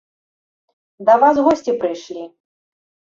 Да вас госці прыйшлі.